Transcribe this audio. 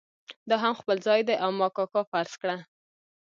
دا هم خپل ځای دی او ما کاکا فرض کړه.